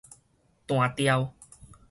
彈掉